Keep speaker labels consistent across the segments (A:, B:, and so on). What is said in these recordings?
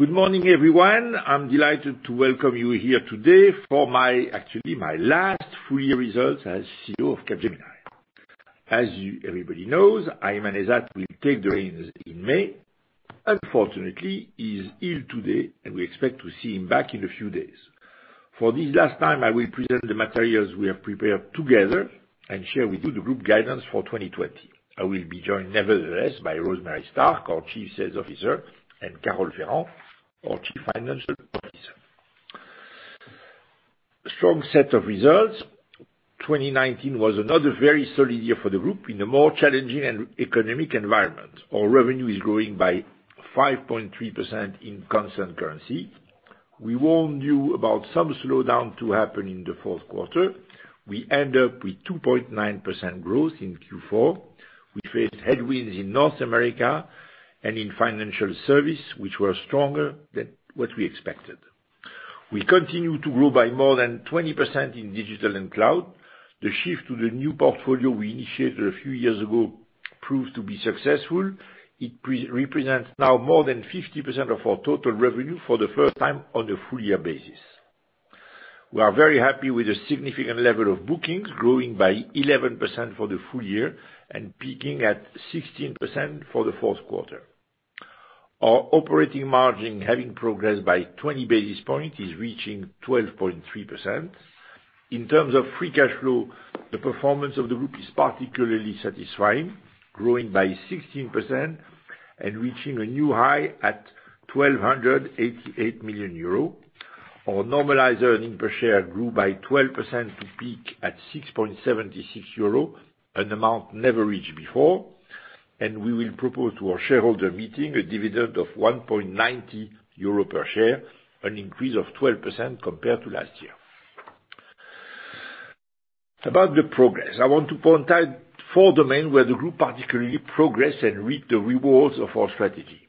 A: Good morning, everyone. I'm delighted to welcome you here today for, actually, my last full year results as CEO of Capgemini. As everybody knows, Aiman Ezzat will take the reins in May. Unfortunately, he's ill today, and we expect to see him back in a few days. For this last time, I will present the materials we have prepared together and share with you the group guidance for 2020. I will be joined nevertheless by Rosemary Stark, our Chief Sales Officer, and Carole Ferrand, our Chief Financial Officer. Strong set of results. 2019 was another very solid year for the group in a more challenging economic environment. Our revenue is growing by 5.3% in constant currency. We warned you about some slowdown to happen in the fourth quarter. We end up with 2.9% growth in Q4. We faced headwinds in North America and in financial service, which were stronger than what we expected. We continue to grow by more than 20% in digital and cloud. The shift to the new portfolio we initiated a few years ago proved to be successful. It represents now more than 50% of our total revenue for the first time on a full-year basis. We are very happy with the significant level of bookings, growing by 11% for the full year and peaking at 16% for the fourth quarter. Our operating margin, having progressed by 20 basis points, is reaching 12.3%. In terms of free cash flow, the performance of the group is particularly satisfying, growing by 16% and reaching a new high at 1,288 million euros. Our normalized earnings per share grew by 12% to peak at 6.76 euros, an amount never reached before. We will propose to our shareholder meeting a dividend of 1.90 euro per share, an increase of 12% compared to last year. About the progress, I want to point out four domains where the group particularly progressed and reaped the rewards of our strategy.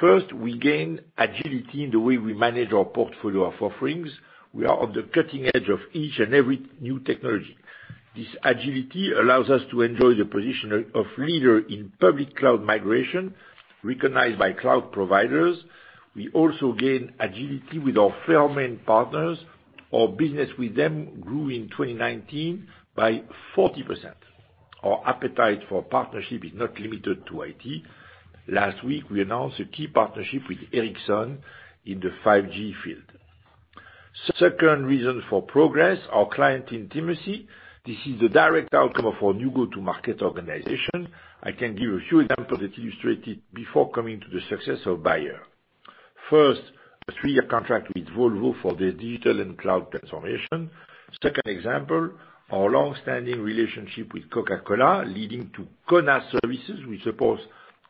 A: First, we gain agility in the way we manage our portfolio of offerings. We are on the cutting edge of each and every new technology. This agility allows us to enjoy the position of leader in public cloud migration recognized by cloud providers. We also gain agility with our firm and partners. Our business with them grew in 2019 by 40%. Our appetite for partnership is not limited to IT. Last week, we announced a key partnership with Ericsson in the 5G field. Second reason for progress, our client intimacy. This is the direct outcome of our new go-to-market organization. I can give a few examples that illustrate it before coming to the success of Bayer. First, a three-year contract with Volvo for the digital and cloud transformation. Second example, our long-standing relationship with Coca-Cola leading to Kona Services. We support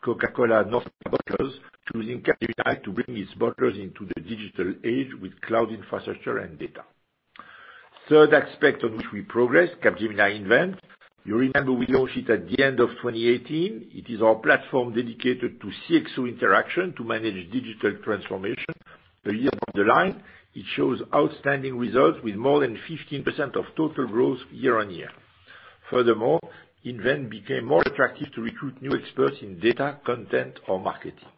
A: Coca-Cola Northern Bottles to bring its bottles into the digital age with cloud infrastructure and data. Third aspect on which we progress, Capgemini Invent. You remember we launched it at the end of 2018. It is our platform dedicated to CXO interaction to manage digital transformation. A year down the line, it shows outstanding results with more than 15% of total growth year on year. Furthermore, Invent became more attractive to recruit new experts in data, content, or marketing.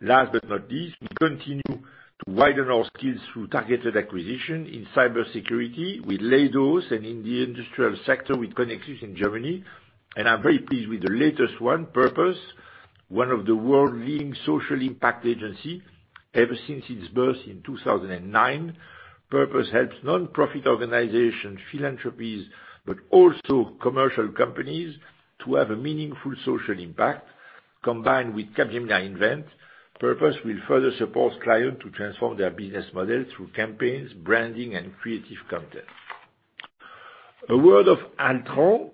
A: Last but not least, we continue to widen our skills through targeted acquisition in cybersecurity with Leidos and in the industrial sector with Conexys in Germany. I am very pleased with the latest one, Purpose, one of the world's leading social impact agencies ever since its birth in 2009. Purpose helps nonprofit organizations, philanthropies, but also commercial companies to have a meaningful social impact. Combined with Capgemini Invent, Purpose will further support clients to transform their business model through campaigns, branding, and creative content. A word on Altran.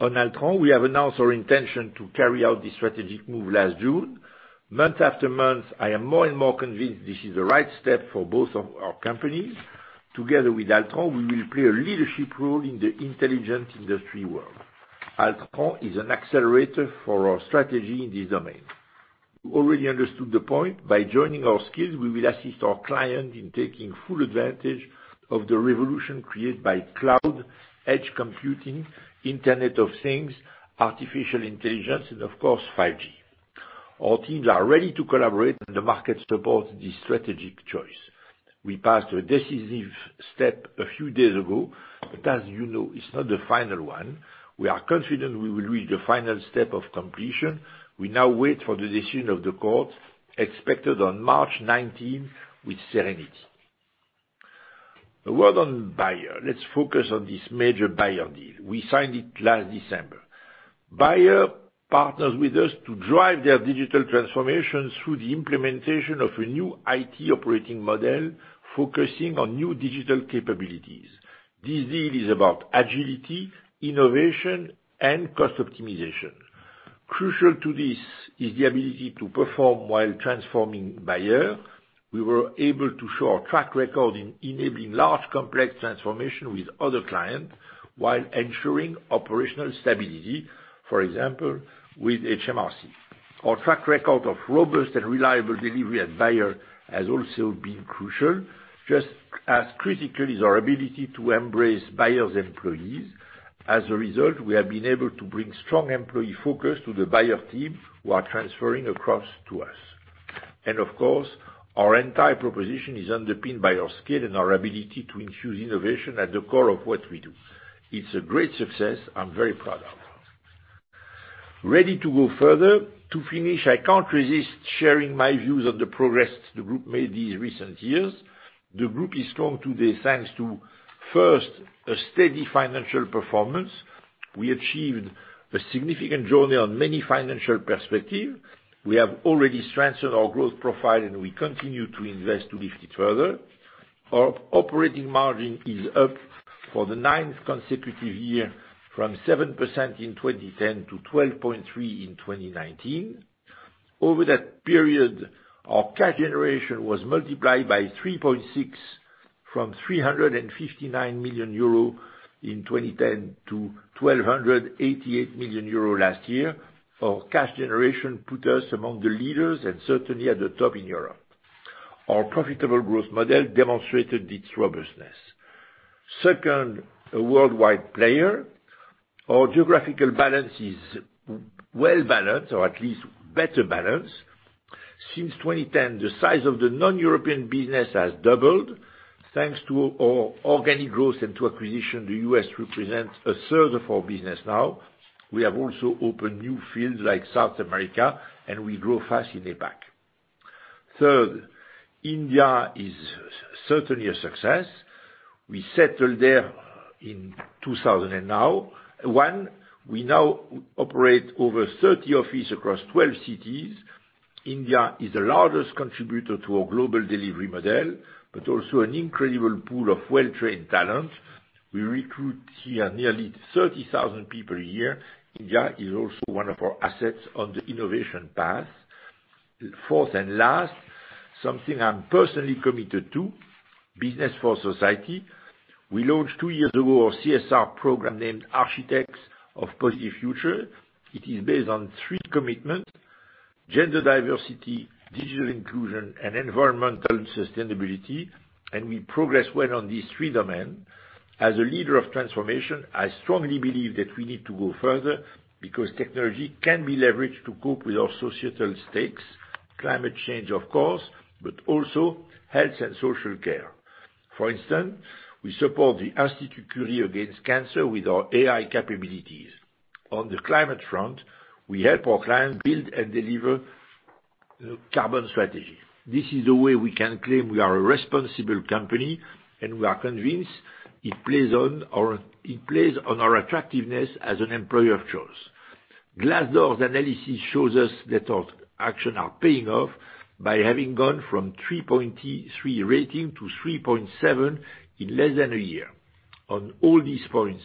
A: On Altran, we have announced our intention to carry out this strategic move last June. Month after month, I am more and more convinced this is the right step for both of our companies. Together with Altran, we will play a leadership role in the intelligent industry world. Altran is an accelerator for our strategy in this domain. You already understood the point. By joining our skills, we will assist our clients in taking full advantage of the revolution created by cloud, edge computing, Internet of Things, artificial intelligence, and of course, 5G. Our teams are ready to collaborate, and the market supports this strategic choice. We passed a decisive step a few days ago, but as you know, it's not the final one. We are confident we will reach the final step of completion. We now wait for the decision of the courts expected on March 19 with serenity. A word on Bayer. Let's focus on this major Bayer deal. We signed it last December. Bayer partners with us to drive their digital transformation through the implementation of a new IT operating model focusing on new digital capabilities. This deal is about agility, innovation, and cost optimization. Crucial to this is the ability to perform while transforming Bayer. We were able to show our track record in enabling large complex transformation with other clients while ensuring operational stability, for example, with HMRC. Our track record of robust and reliable delivery at Bayer has also been crucial. Just as critical is our ability to embrace Bayer's employees. As a result, we have been able to bring strong employee focus to the Bayer team who are transferring across to us. Of course, our entire proposition is underpinned by our skill and our ability to infuse innovation at the core of what we do. It's a great success I'm very proud of. Ready to go further. To finish, I can't resist sharing my views on the progress the group made these recent years. The group is strong today thanks to, first, a steady financial performance. We achieved a significant journey on many financial perspectives. We have already strengthened our growth profile, and we continue to invest to lift it further. Our operating margin is up for the ninth consecutive year from 7% in 2010 to 12.3% in 2019. Over that period, our cash generation was multiplied by 3.6 from 359 million euro in 2010 to 1,288 million euro last year. Our cash generation put us among the leaders and certainly at the top in Europe. Our profitable growth model demonstrated its robustness. Second, a worldwide player. Our geographical balance is well balanced or at least better balanced. Since 2010, the size of the non-European business has doubled thanks to our organic growth and to acquisition. The U.S. represents a third of our business now. We have also opened new fields like South America, and we grow fast in Asia-Pacific. Third, India is certainly a success. We settled there in 2000 and now. One, we now operate over 30 offices across 12 cities. India is the largest contributor to our global delivery model, but also an incredible pool of well-trained talent. We recruit here nearly 30,000 people a year. India is also one of our assets on the innovation path. Fourth and last, something I am personally committed to, business for society. We launched two years ago a CSR program named Architects of Positive Future. It is based on three commitments, gender diversity, digital inclusion, and environmental sustainability. We progress well on these three domains. As a leader of transformation, I strongly believe that we need to go further because technology can be leveraged to cope with our societal stakes, climate change, of course, but also health and social care. For instance, we support the Institute Curie against cancer with our AI capabilities. On the climate front, we help our clients build and deliver a carbon strategy. This is the way we can claim we are a responsible company, and we are convinced it plays on our attractiveness as an employer of choice. Glassdoor's analysis shows us that our actions are paying off by having gone from 3.3 rating to 3.7 in less than a year. On all these points,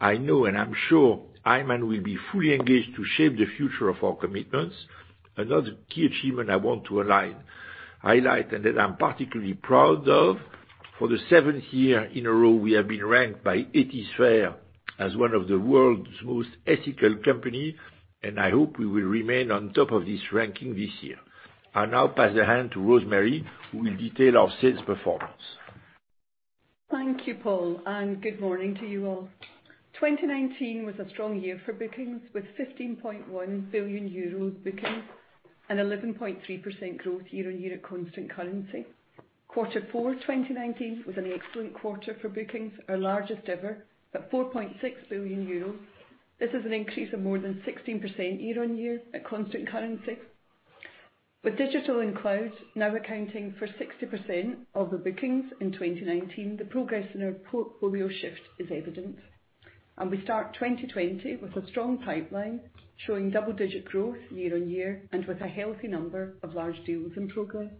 A: I know and I'm sure Aiman will be fully engaged to shape the future of our commitments. Another key achievement I want to highlight and that I'm particularly proud of, for the seventh year in a row, we have been ranked by Ethisphere as one of the world's most ethical companies, and I hope we will remain on top of this ranking this year. I'll now pass the hand to Rosemary, who will detail our sales performance.
B: Thank you, Paul, and good morning to you all. 2019 was a strong year for bookings with 15.1 billion euros bookings and 11.3% growth year-on-year at constant currency. Quarter 4 2019 was an excellent quarter for bookings, our largest ever at 4.6 billion euros. This is an increase of more than 16% year-on-year at constant currency. With digital and cloud now accounting for 60% of the bookings in 2019, the progress in our portfolio shift is evident. We start 2020 with a strong pipeline showing double-digit growth year on year and with a healthy number of large deals in progress.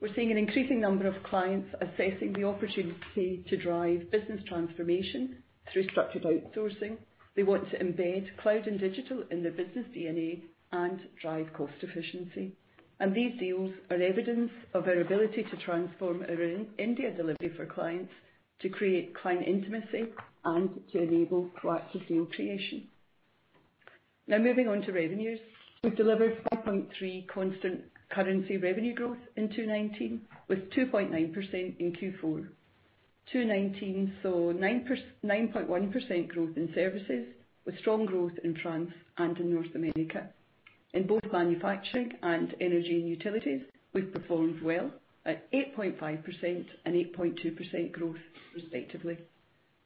B: We're seeing an increasing number of clients assessing the opportunity to drive business transformation through structured outsourcing. They want to embed cloud and digital in their business DNA and drive cost efficiency. These deals are evidence of our ability to transform our India delivery for clients to create client intimacy and to enable proactive deal creation. Now moving on to revenues, we've delivered 5.3% constant currency revenue growth in 2019 with 2.9% in Q4. 2019 saw 9.1% growth in services with strong growth in France and in North America. In both manufacturing and energy and utilities, we've performed well at 8.5% and 8.2% growth respectively.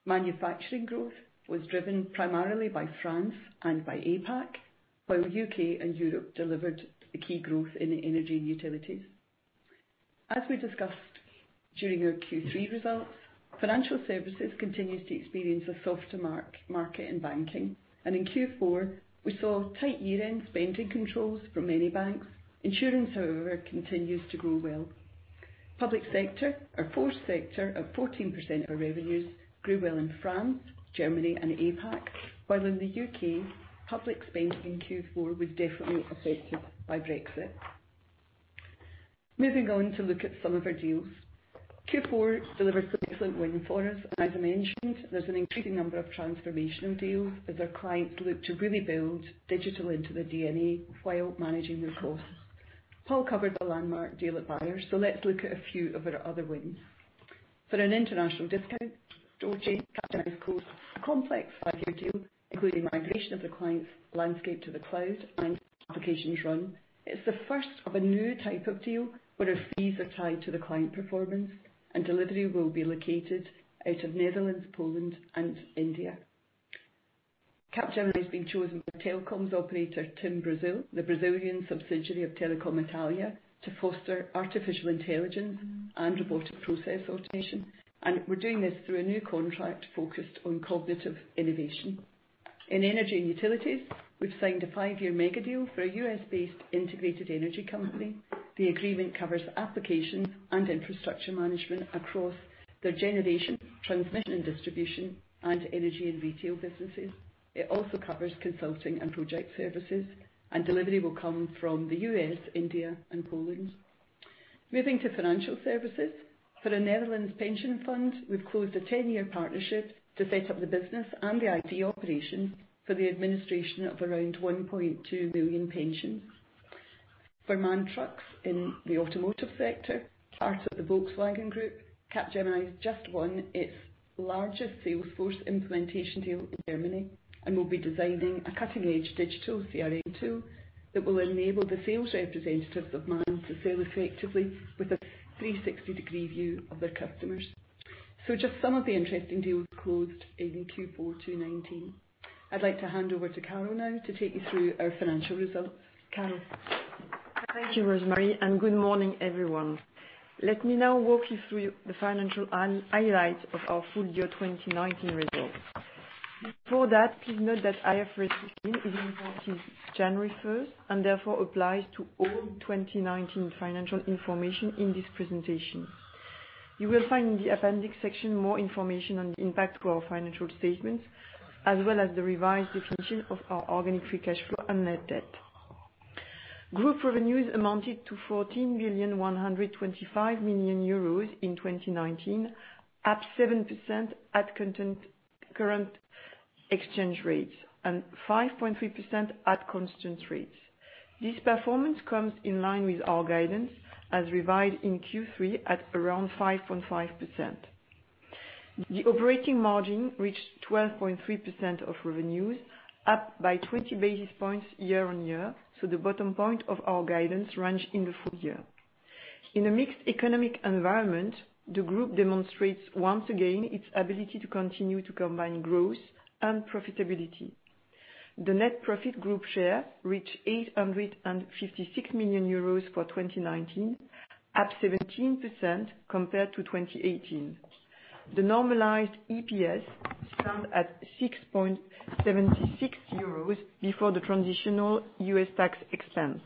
B: Manufacturing growth was driven primarily by France and by Asia-Pacific, while the U.K. and Europe delivered the key growth in energy and utilities. As we discussed during our Q3 results, financial services continues to experience a softer market in banking. In Q4, we saw tight year-end spending controls from many banks. Insurance, however, continues to grow well. Public sector, our fourth sector, at 14% of our revenues, grew well in France, Germany, and Asia-Pacific, while in the U.K., public spending in Q4 was definitely affected by Brexit. Moving on to look at some of our deals. Q4 delivered some excellent winning for us. As I mentioned, there's an increasing number of transformational deals as our clients look to really build digital into their DNA while managing their costs. Paul covered the landmark deal at Bayer, so let's look at a few of our other wins. For an international discount, DOJ capitalized costs, a complex five-year deal including migration of the client's landscape to the cloud and applications run. It's the first of a new type of deal where our fees are tied to the client performance and delivery will be located out of Netherlands, Poland, and India. Capgemini has been chosen by telecoms operator TIM Brasil, the Brazilian subsidiary of Telecom Italia, to foster artificial intelligence and robotic process automation. We are doing this through a new contract focused on cognitive innovation. In energy and utilities, we have signed a five-year mega deal for a U.S.-based integrated energy company. The agreement covers application and infrastructure management across their generation, transmission, and distribution, and energy and retail businesses. It also covers consulting and project services, and delivery will come from the U.S., India, and Poland. Moving to financial services, for the Netherlands pension fund, we have closed a 10-year partnership to set up the business and the IT operations for the administration of around 1.2 million pensions. For MAN Truck in the automotive sector, part of the Volkswagen Group, Capgemini has just won its largest sales force implementation deal in Germany and will be designing a cutting-edge digital CRM tool that will enable the sales representatives of MAN to sell effectively with a 360-degree view of their customers. Just some of the interesting deals closed in Q4 2019. I'd like to hand over to Carole now to take you through our financial results. Carole.
C: Thank you, Rosemary, and good morning, everyone. Let me now walk you through the financial highlights of our full year 2019 results. Before that, please note that I have resumed even though it is January 1 and therefore applies to all 2019 financial information in this presentation. You will find in the appendix section more information on the impact of our financial statements as well as the revised definition of our organic free cash flow and net debt. Group revenues amounted to 14,125 million euros in 2019, up 7% at current exchange rates and 5.3% at constant rates. This performance comes in line with our guidance as revised in Q3 at around 5.5%. The operating margin reached 12.3% of revenues, up by 20 basis points year on year, so the bottom point of our guidance ranged in the full year. In a mixed economic environment, the group demonstrates once again its ability to continue to combine growth and profitability. The net profit group share reached 856 million euros for 2019, up 17% compared to 2018. The normalized EPS stands at 6.76 euros before the transitional U.S. tax expense.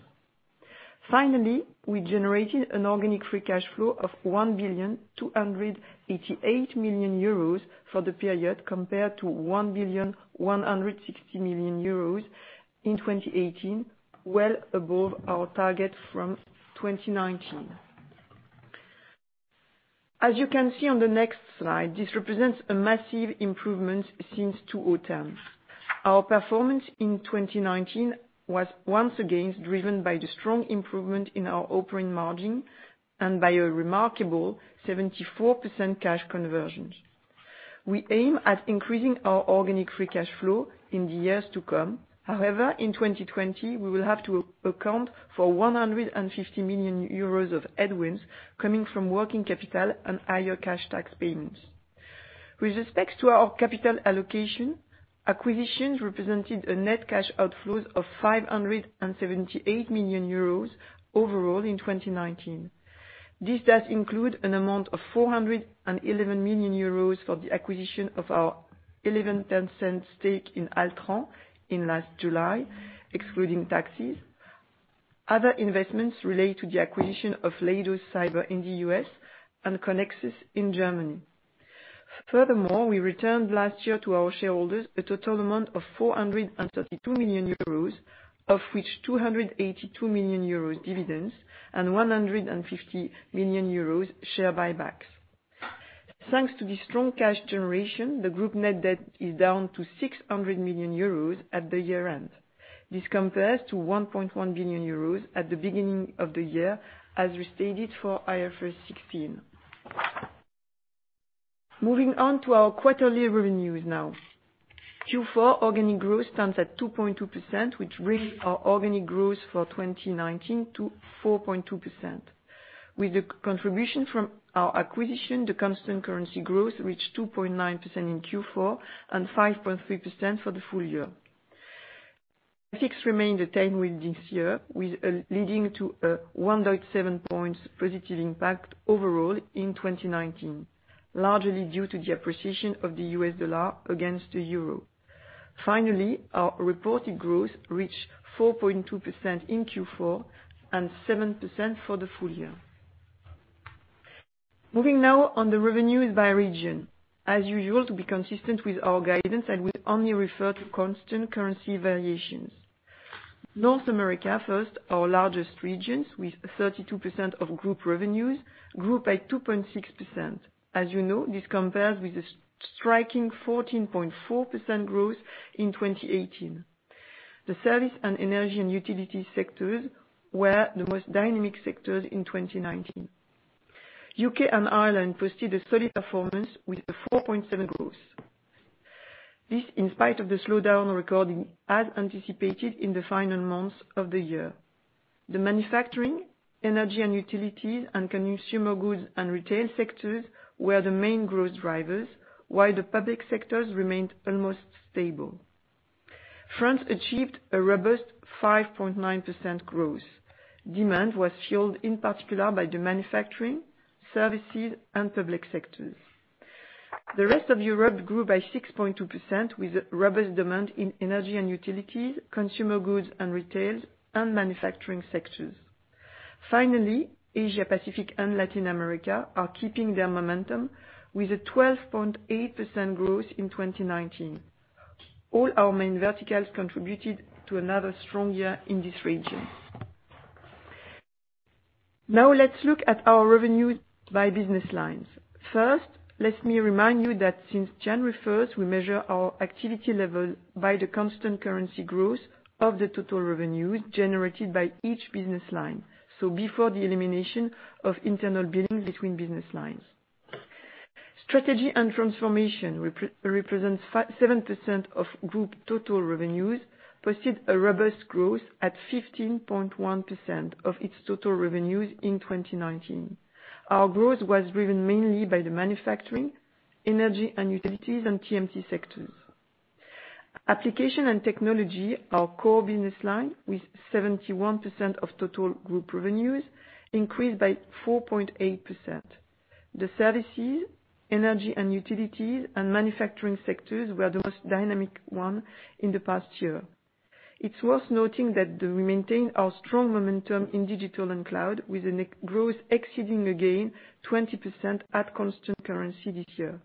C: Finally, we generated an organic free cash flow of 1,288 million euros for the period compared to 1,160 million euros in 2018, well above our target from 2019. As you can see on the next slide, this represents a massive improvement since 2010. Our performance in 2019 was once again driven by the strong improvement in our operating margin and by a remarkable 74% cash conversion. We aim at increasing our organic free cash flow in the years to come. However, in 2020, we will have to account for 150 million euros of headwinds coming from working capital and higher cash tax payments. With respect to our capital allocation, acquisitions represented a net cash outflows of 578 million euros overall in 2019. This does include an amount of 411 million euros for the acquisition of our 0.11% stake in Altran in last July, excluding taxes. Other investments relate to the acquisition of Leidos Cyber in the U.S. and Conexys in Germany. Furthermore, we returned last year to our shareholders a total amount of 432 million euros, of which 282 million euros dividends and 150 million euros share buybacks. Thanks to the strong cash generation, the group net debt is down to 600 million euros at the year end. This compares to 1.1 billion euros at the beginning of the year, as we stated for IFRS 16. Moving on to our quarterly revenues now. Q4 organic growth stands at 2.2%, which brings our organic growth for 2019 to 4.2%. With the contribution from our acquisition, the constant currency growth reached 2.9% in Q4 and 5.3% for the full year. The fix remained the same with this year, leading to a 1.7 percentage points positive impact overall in 2019, largely due to the appreciation of the U.S. dollar against the euro. Finally, our reported growth reached 4.2% in Q4 and 7% for the full year. Moving now on the revenues by region. As usual, to be consistent with our guidance, I will only refer to constant currency variations. North America first, our largest region with 32% of group revenues, grew by 2.6%. As you know, this compares with a striking 14.4% growth in 2018. The service and energy and utility sectors were the most dynamic sectors in 2019. U.K. and Ireland posted a solid performance with a 4.7% growth. This in spite of the slowdown recorded as anticipated in the final months of the year. The manufacturing, energy and utilities, and consumer goods and retail sectors were the main growth drivers, while the public sectors remained almost stable. France achieved a robust 5.9% growth. Demand was fueled in particular by the manufacturing, services, and public sectors. The rest of Europe grew by 6.2% with robust demand in energy and utilities, consumer goods and retail, and manufacturing sectors. Finally, Asia-Pacific and Latin America are keeping their momentum with a 12.8% growth in 2019. All our main verticals contributed to another strong year in this region. Now let's look at our revenue by business lines. First, let me remind you that since January 1, we measure our activity level by the constant currency growth of the total revenues generated by each business line, so before the elimination of internal billing between business lines. Strategy and transformation represents 7% of group total revenues, posted a robust growth at 15.1% of its total revenues in 2019. Our growth was driven mainly by the manufacturing, energy and utilities, and TMC sectors. Application and technology are core business lines with 71% of total group revenues, increased by 4.8%. The services, energy and utilities, and manufacturing sectors were the most dynamic ones in the past year. It's worth noting that we maintain our strong momentum in digital and cloud, with a growth exceeding again 20% at constant currency this year.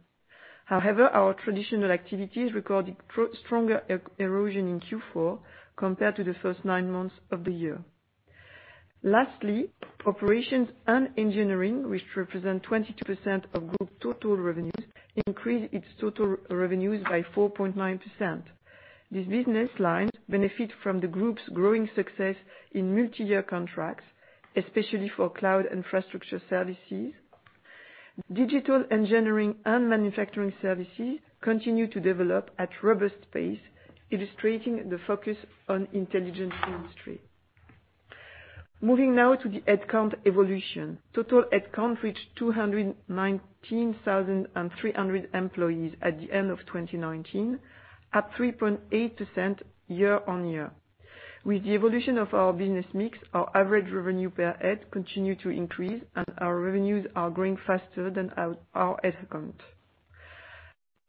C: However, our traditional activities recorded stronger erosion in Q4 compared to the first nine months of the year. Lastly, operations and engineering, which represent 22% of group total revenues, increased its total revenues by 4.9%. These business lines benefit from the group's growing success in multi-year contracts, especially for cloud infrastructure services. Digital engineering and manufacturing services continue to develop at robust pace, illustrating the focus on intelligent industry. Moving now to the headcount evolution. Total headcount reached 219,300 employees at the end of 2019, up 3.8% year-on-year. With the evolution of our business mix, our average revenue per head continued to increase, and our revenues are growing faster than our headcount.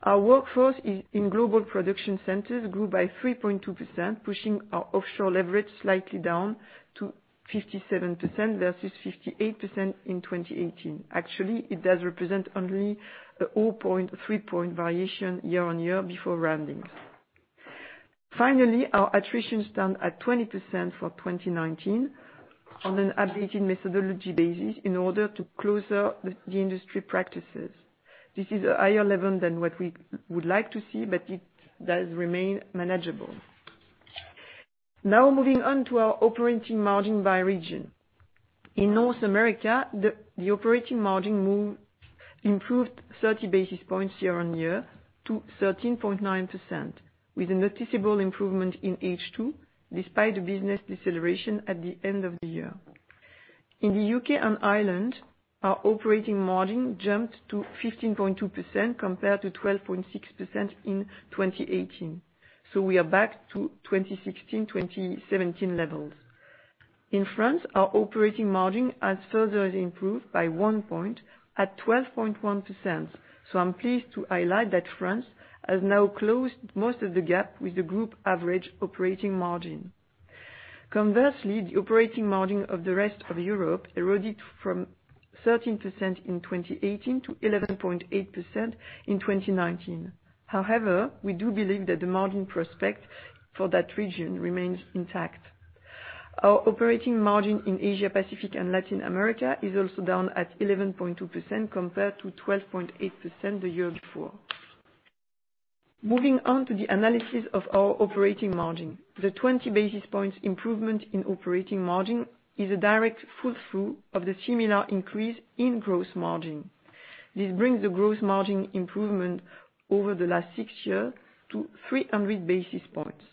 C: Our workforce in global production centers grew by 3.2%, pushing our offshore leverage slightly down to 57% versus 58% in 2018. Actually, it does represent only a 0.3 point variation year on year before rounding. Finally, our attrition stands at 20% for 2019 on an updated methodology basis in order to close the industry practices. This is a higher level than what we would like to see, but it does remain manageable. Now moving on to our operating margin by region. In North America, the operating margin improved 30 basis points year-on-year to 13.9%, with a noticeable improvement in H2 despite the business deceleration at the end of the year. In the U.K. and Ireland, our operating margin jumped to 15.2% compared to 12.6% in 2018. We are back to 2016, 2017 levels. In France, our operating margin has further improved by one point at 12.1%. I am pleased to highlight that France has now closed most of the gap with the group average operating margin. Conversely, the operating margin of the rest of Europe eroded from 13% in 2018 to 11.8% in 2019. However, we do believe that the margin prospect for that region remains intact. Our operating margin in Asia-Pacific and Latin America is also down at 11.2% compared to 12.8% the year before. Moving on to the analysis of our operating margin. The 20 basis points improvement in operating margin is a direct full-through of the similar increase in gross margin. This brings the gross margin improvement over the last six years to 300 basis points.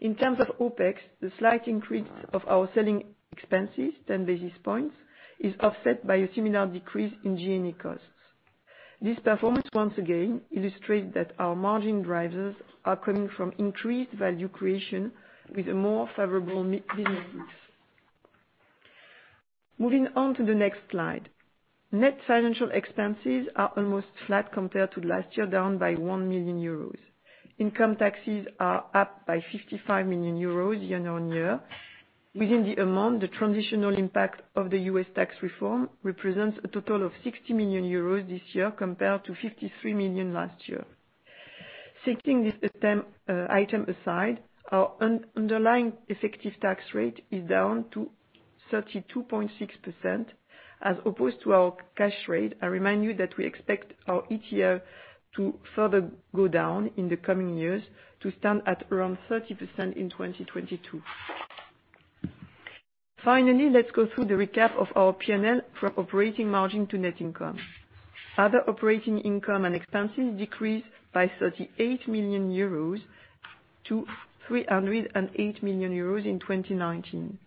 C: In terms of OpEx, the slight increase of our selling expenses, 10 basis points, is offset by a similar decrease in G&E costs. This performance once again illustrates that our margin drivers are coming from increased value creation with a more favorable business mix. Moving on to the next slide. Net financial expenses are almost flat compared to last year, down by 1 million euros. Income taxes are up by 55 million euros year-on-year. Within the amount, the transitional impact of the U.S. tax reform represents a total of $60 million this year compared to $53 million last year. Setting this item aside, our underlying effective tax rate is down to 32.6%. As opposed to our cash rate, I remind you that we expect our ETR to further go down in the coming years to stand at around 30% in 2022. Finally, let's go through the recap of our P&L from operating margin to net income. Other operating income and expenses decreased by 38 million euros to 308 million euros in 2019.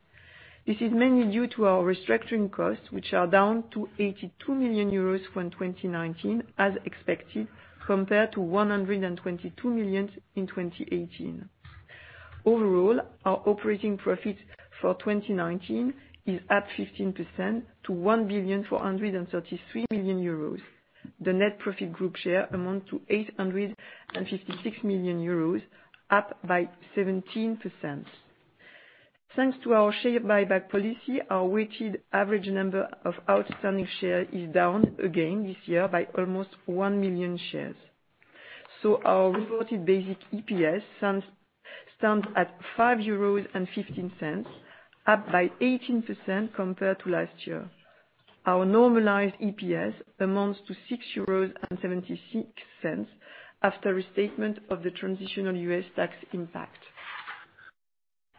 C: This is mainly due to our restructuring costs, which are down to 82 million euros for 2019, as expected, compared to 122 million in 2018. Overall, our operating profit for 2019 is up 15% to 1,433 million euros. The net profit group share amounts to 856 million euros, up by 17%. Thanks to our share buyback policy, our weighted average number of outstanding shares is down again this year by almost 1 million shares. Our reported basic EPS stands at 5.15 euros, up by 18% compared to last year. Our normalized EPS amounts to 6.76 euros after restatement of the transitional U.S. tax impact.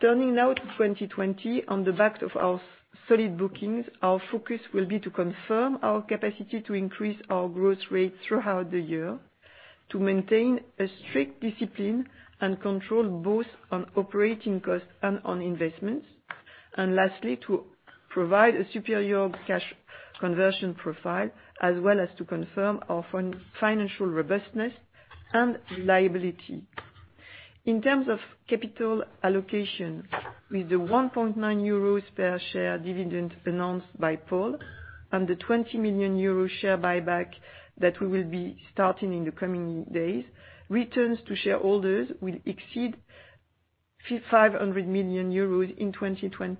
C: Turning now to 2020, on the back of our solid bookings, our focus will be to confirm our capacity to increase our growth rate throughout the year, to maintain a strict discipline and control both on operating costs and on investments, and lastly, to provide a superior cash conversion profile, as well as to confirm our financial robustness and reliability. In terms of capital allocation, with the 1.90 euros per share dividend announced by Paul and the 20 million euro share buyback that we will be starting in the coming days, returns to shareholders will exceed 500 million euros in 2020.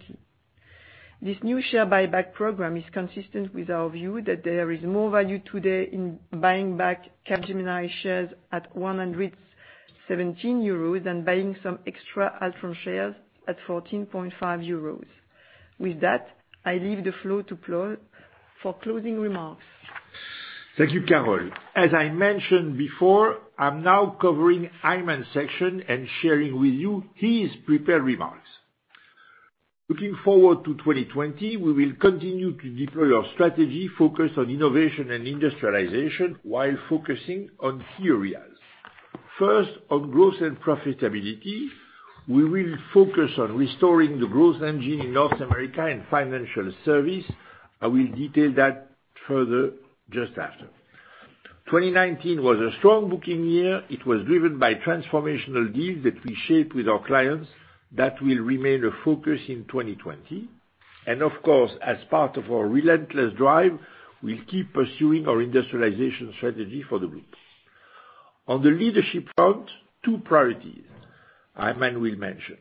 C: This new share buyback program is consistent with our view that there is more value today in buying back Capgemini shares at 117 euros than buying some extra Altran shares at 14.50 euros. With that, I leave the floor to Paul for closing remarks.
A: Thank you, Carole. As I mentioned before, I'm now covering Aiman's section and sharing with you his prepared remarks. Looking forward to 2020, we will continue to deploy our strategy focused on innovation and industrialization while focusing on three areas. First, on growth and profitability. We will focus on restoring the growth engine in North America and financial service. I will detail that further just after. 2019 was a strong booking year. It was driven by transformational deals that we shaped with our clients that will remain a focus in 2020. As part of our relentless drive, we'll keep pursuing our industrialization strategy for the group. On the leadership front, two priorities Aiman will mention.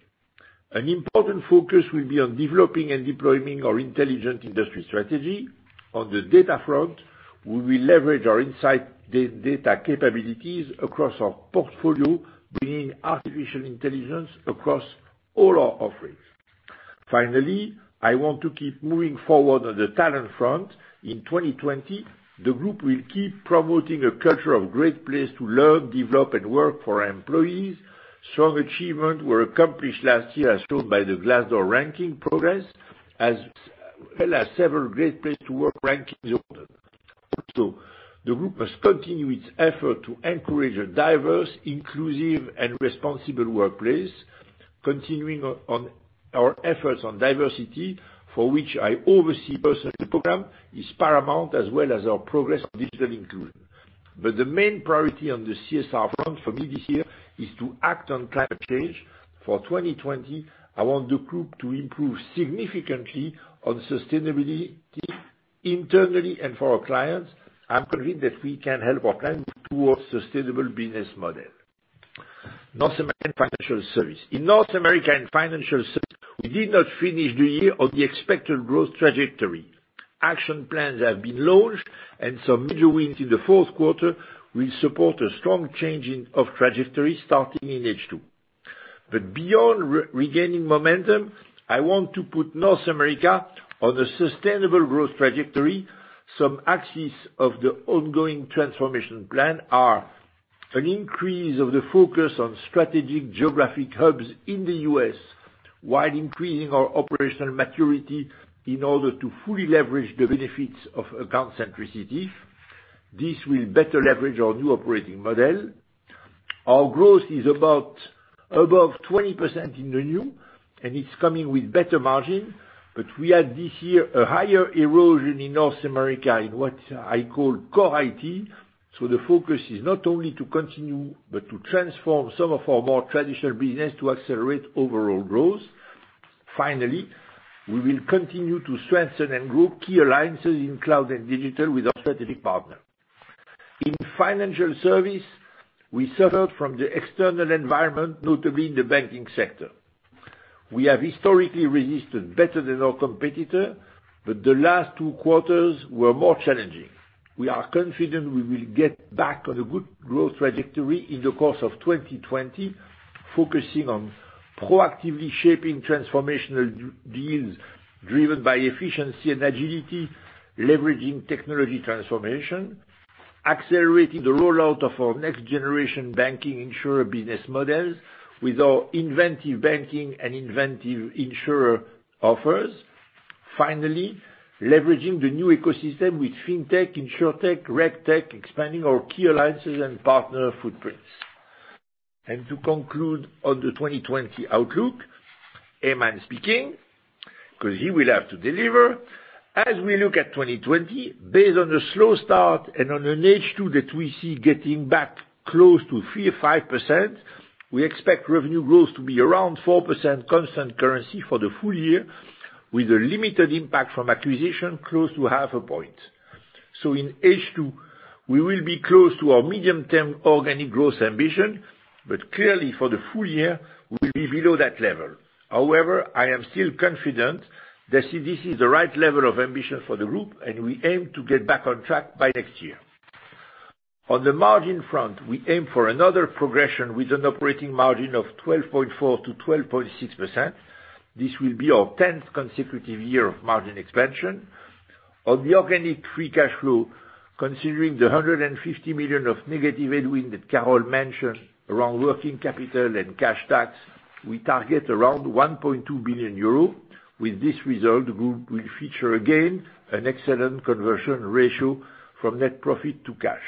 A: An important focus will be on developing and deploying our intelligent industry strategy. On the data front, we will leverage our insight data capabilities across our portfolio, bringing artificial intelligence across all our offerings. Finally, I want to keep moving forward on the talent front. In 2020, the group will keep promoting a culture of great place to learn, develop, and work for our employees. Strong achievements were accomplished last year, as shown by the Glassdoor ranking progress, as well as several great place to work rankings opened. Also, the group must continue its effort to encourage a diverse, inclusive, and responsible workplace. Continuing on our efforts on diversity, for which I oversee personnel, the program is paramount, as well as our progress on digital inclusion. The main priority on the CSR front for me this year is to act on climate change. For 2020, I want the group to improve significantly on sustainability internally and for our clients. I'm convinced that we can help our clients towards a sustainable business model. North America and financial service. In North America and financial service, we did not finish the year on the expected growth trajectory. Action plans have been launched, and some major wins in the fourth quarter will support a strong change of trajectory starting in H2. Beyond regaining momentum, I want to put North America on a sustainable growth trajectory. Some axes of the ongoing transformation plan are an increase of the focus on strategic geographic hubs in the U.S., while increasing our operational maturity in order to fully leverage the benefits of account-centricity. This will better leverage our new operating model. Our growth is about above 20% in the new, and it's coming with better margin. We had this year a higher erosion in North America in what I call core IT. The focus is not only to continue, but to transform some of our more traditional business to accelerate overall growth. Finally, we will continue to strengthen and grow key alliances in cloud and digital with our strategic partner. In financial service, we suffered from the external environment, notably in the banking sector. We have historically resisted better than our competitor, but the last two quarters were more challenging. We are confident we will get back on a good growth trajectory in the course of 2020, focusing on proactively shaping transformational deals driven by efficiency and agility, leveraging technology transformation, accelerating the rollout of our next-generation banking insurer business models with our inventive banking and inventive insurer offers. Finally, leveraging the new ecosystem with fintech, insurtech, regtech, expanding our key alliances and partner footprints. To conclude on the 2020 outlook, Aiman is speaking because he will have to deliver. As we look at 2020, based on a slow start and on an H2 that we see getting back close to 35%, we expect revenue growth to be around 4% constant currency for the full year, with a limited impact from acquisition close to half a point. In H2, we will be close to our medium-term organic growth ambition, but clearly for the full year, we will be below that level. However, I am still confident that this is the right level of ambition for the group, and we aim to get back on track by next year. On the margin front, we aim for another progression with an operating margin of 12.4%-12.6%. This will be our 10th consecutive year of margin expansion. On the organic free cash flow, considering the 150 million of negative headwind that Carole mentioned around working capital and cash tax, we target around 1.2 billion euro. With this result, the group will feature again an excellent conversion ratio from net profit to cash.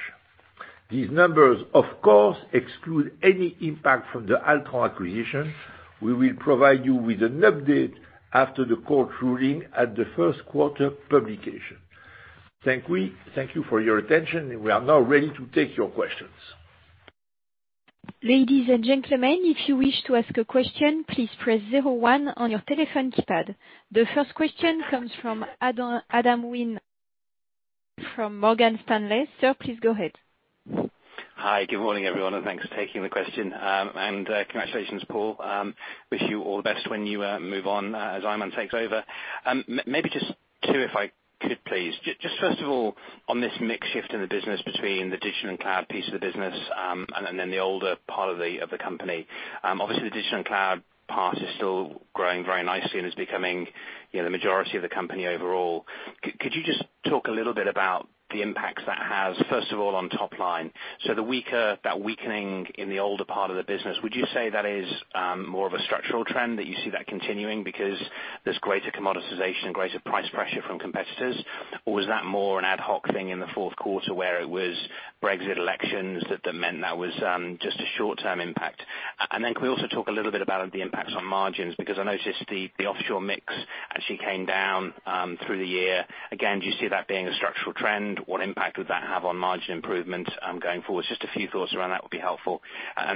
A: These numbers, of course, exclude any impact from the Altran acquisition. We will provide you with an update after the court ruling at the first quarter publication. Thank you for your attention, and we are now ready to take your questions.
D: Ladies and gentlemen, if you wish to ask a question, please press zero one on your telephone keypad. The first question comes from Adam Wynn from Morgan Stanley. Sir, please go ahead.
E: Hi, good morning, everyone, and thanks for taking the question. Congratulations, Paul. Wish you all the best when you move on as Aiman takes over. Maybe just two, if I could, please. Just first of all, on this mixed shift in the business between the digital and cloud piece of the business and then the older part of the company. Obviously, the digital and cloud part is still growing very nicely and is becoming the majority of the company overall. Could you just talk a little bit about the impacts that has, first of all, on top line? That weakening in the older part of the business, would you say that is more of a structural trend that you see that continuing because there is greater commoditization and greater price pressure from competitors? Was that more an ad hoc thing in the fourth quarter where it was Brexit elections that meant that was just a short-term impact? Can we also talk a little bit about the impacts on margins? I noticed the offshore mix actually came down through the year. Again, do you see that being a structural trend? What impact would that have on margin improvements going forward? Just a few thoughts around that would be helpful.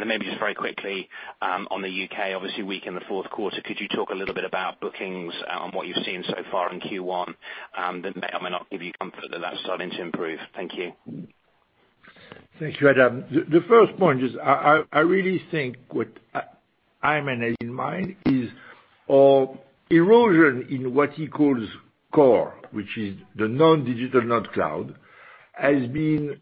E: Maybe just very quickly on the U.K., obviously weak in the fourth quarter. Could you talk a little bit about bookings and what you've seen so far in Q1 that may or may not give you comfort that that's starting to improve? Thank you.
A: Thank you, Adam. The first point is I really think what Aiman has in mind is erosion in what he calls core, which is the non-digital, non-cloud, has been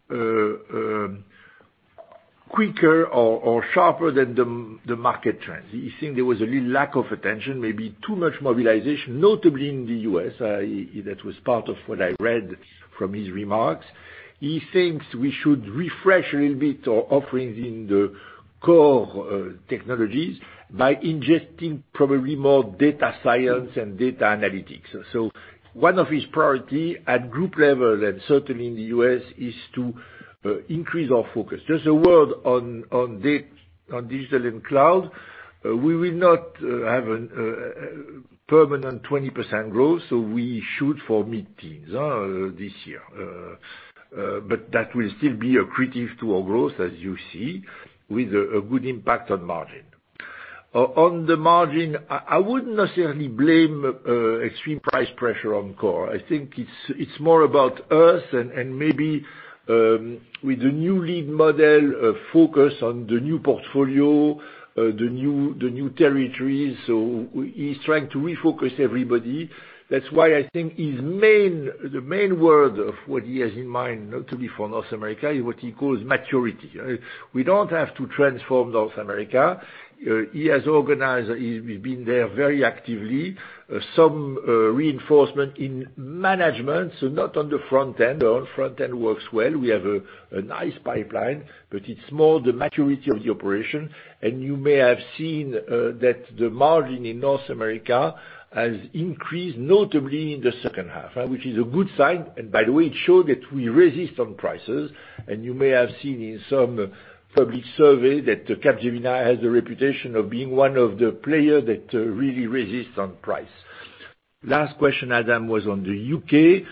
A: quicker or sharper than the market trends. He thinks there was a little lack of attention, maybe too much mobilization, notably in the U.S., that was part of what I read from his remarks. He thinks we should refresh a little bit our offerings in the core technologies by ingesting probably more data science and data analytics. So one of his priorities at group level, and certainly in the U.S., is to increase our focus. There's a word on digital and cloud. We will not have a permanent 20% growth, so we shoot for mid-teens this year. That will still be accretive to our growth, as you see, with a good impact on margin. On the margin, I would not necessarily blame extreme price pressure on core. I think it is more about us and maybe with the new lead model focus on the new portfolio, the new territories. He is trying to refocus everybody. That is why I think the main word of what he has in mind, notably for North America, is what he calls maturity. We do not have to transform North America. He has organized, he has been there very actively. Some reinforcement in management, not on the front end. The front end works well. We have a nice pipeline, but it is more the maturity of the operation. You may have seen that the margin in North America has increased, notably in the second half, which is a good sign. By the way, it showed that we resist on prices. You may have seen in some public survey that Capgemini has the reputation of being one of the players that really resist on price. Last question, Adam, was on the U.K.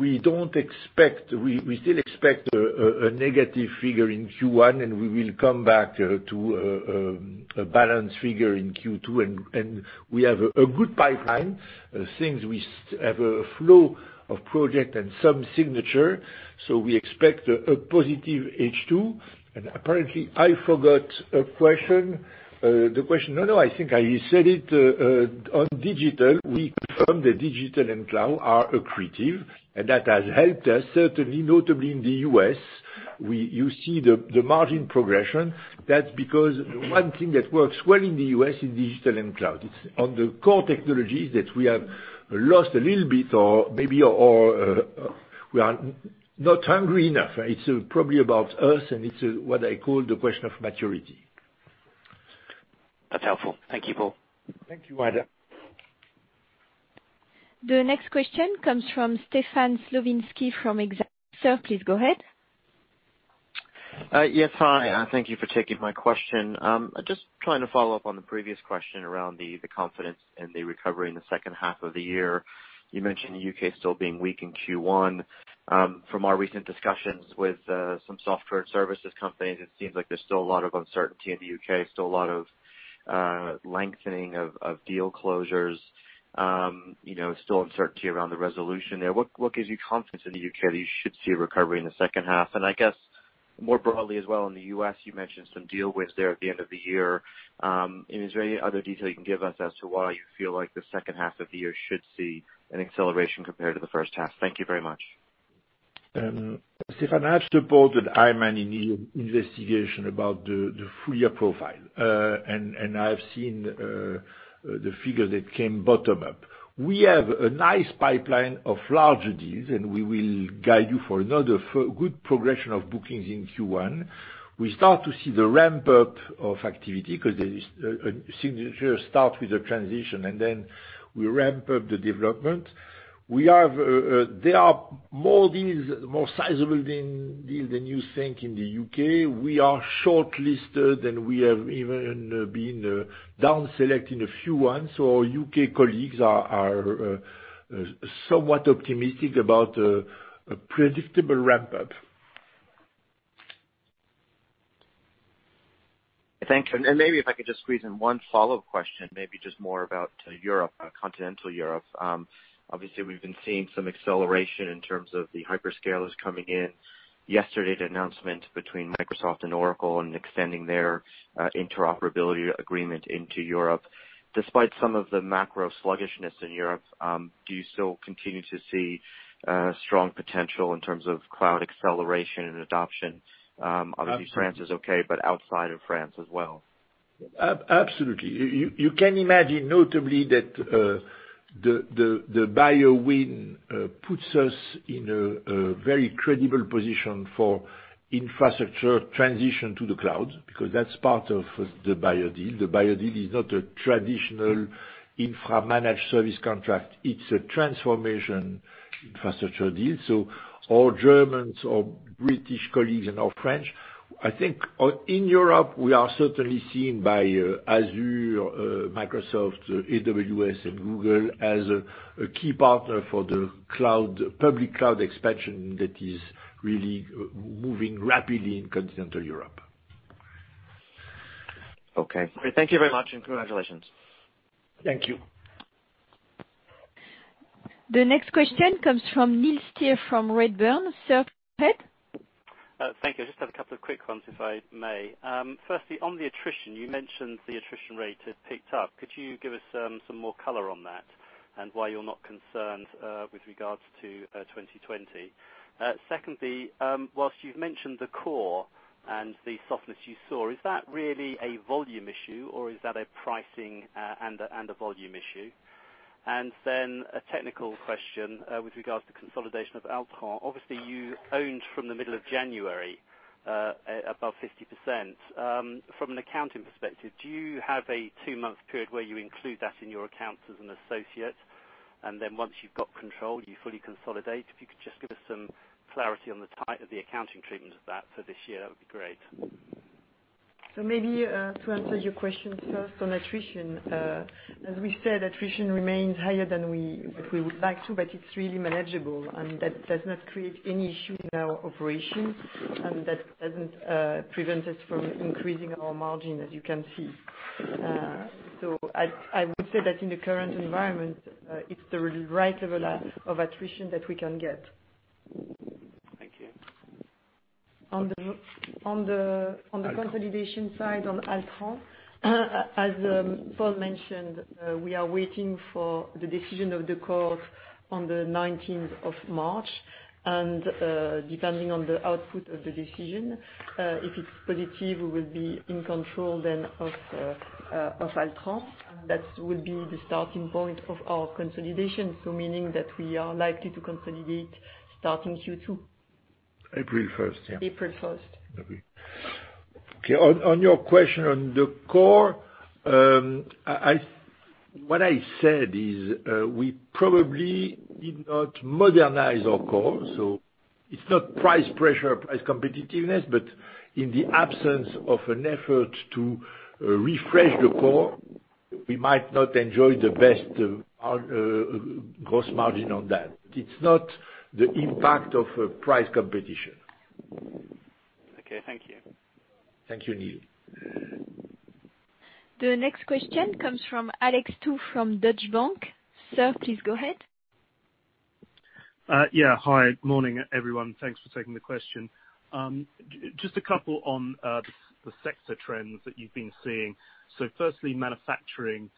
A: We still expect a negative figure in Q1, and we will come back to a balanced figure in Q2. We have a good pipeline. Since we have a flow of projects and some signature, we expect a positive H2. Apparently, I forgot a question. The question—no, I think I said it on digital. We confirmed that digital and cloud are accretive, and that has helped us, certainly, notably in the U.S. You see the margin progression. That's because one thing that works well in the U.S. is digital and cloud. It's on the core technologies that we have lost a little bit, or maybe we are not hungry enough. It's probably about us, and it's what I call the question of maturity.
E: That's helpful. Thank you, Paul.
A: Thank you, Adam.
D: The next question comes from Stefan Slowinski from Exane. Sir, please go ahead.
F: Yes, hi. Thank you for taking my question. Just trying to follow up on the previous question around the confidence and the recovery in the second half of the year. You mentioned the U.K. still being weak in Q1. From our recent discussions with some software services companies, it seems like there's still a lot of uncertainty in the U.K., still a lot of lengthening of deal closures, still uncertainty around the resolution there. What gives you confidence in the U.K. that you should see a recovery in the second half? I guess more broadly as well in the U.S., you mentioned some deal wins there at the end of the year. Is there any other detail you can give us as to why you feel like the second half of the year should see an acceleration compared to the first half? Thank you very much.
A: Stefan, I've supported Aiman in his investigation about the full year profile, and I've seen the figures that came bottom up. We have a nice pipeline of large deals, and we will guide you for another good progression of bookings in Q1. We start to see the ramp-up of activity because the signature starts with a transition, and then we ramp up the development. There are more deals, more sizable deals than you think in the U.K. We are shortlisted, and we have even been down-selected in a few ones. Our U.K. colleagues are somewhat optimistic about a predictable ramp-up.
F: Thank you. Maybe if I could just squeeze in one follow-up question, maybe just more about Europe, continental Europe. Obviously, we have been seeing some acceleration in terms of the hyperscalers coming in. Yesterday, the announcement between Microsoft and Oracle on extending their interoperability agreement into Europe. Despite some of the macro sluggishness in Europe, do you still continue to see strong potential in terms of cloud acceleration and adoption? Obviously, France is okay, but outside of France as well.
A: Absolutely. You can imagine, notably, that the Bayer win puts us in a very credible position for infrastructure transition to the cloud because that is part of the Bayer deal. The Bayer deal is not a traditional infra-managed service contract. It is a transformation infrastructure deal. Our Germans, our British colleagues, and our French, I think in Europe, we are certainly seen by Azure, Microsoft, AWS, and Google as a key partner for the public cloud expansion that is really moving rapidly in continental Europe.
F: Okay. Thank you very much, and congratulations.
A: Thank you.
D: The next question comes from Neil Steer from Redburn. Sir, go ahead.
G: Thank you. I just have a couple of quick ones, if I may. Firstly, on the attrition, you mentioned the attrition rate had picked up. Could you give us some more color on that and why you're not concerned with regards to 2020? Secondly, whilst you've mentioned the core and the softness you saw, is that really a volume issue, or is that a pricing and a volume issue? And then a technical question with regards to consolidation of Altran. Obviously, you owned from the middle of January above 50%. From an accounting perspective, do you have a two-month period where you include that in your accounts as an associate? Then once you've got control, you fully consolidate? If you could just give us some clarity on the type of the accounting treatment of that for this year, that would be great.
B: Maybe to answer your question first on attrition, as we said, attrition remains higher than we would like to, but it's really manageable. That does not create any issues in our operation, and that doesn't prevent us from increasing our margin, as you can see. I would say that in the current environment, it's the right level of attrition that we can get. Thank you. On the consolidation side on Altran, as Paul mentioned, we are waiting for the decision of the court on the 19th of March. Depending on the output of the decision, if it's positive, we will be in control then of Altran. That will be the starting point of our consolidation, so meaning that we are likely to consolidate starting Q2.
A: April 1st, yeah.
B: April 1st.
A: Okay. On your question on the core, what I said is we probably did not modernize our core. It's not price pressure, price competitiveness, but in the absence of an effort to refresh the core, we might not enjoy the best gross margin on that. It's not the impact of price competition.
G: Okay. Thank you.
A: Thank you, Neil.
D: The next question comes from Alex Touffe from Deutsche Bank. Sir, please go ahead. Yeah. Hi. Morning, everyone. Thanks for taking the question. Just a couple on the sector trends that you've been seeing. Firstly, manufacturing